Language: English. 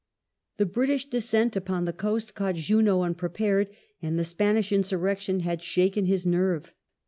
The British descent upon the coast caught Junot unprepared, and the Spanish insurrection had shaken his nerve.